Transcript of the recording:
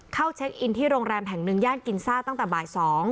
เช็คอินที่โรงแรมแห่งหนึ่งย่านกินซ่าตั้งแต่บ่าย๒